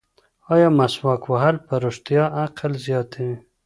ایا مسواک وهل په رښتیا عقل زیاتوي؟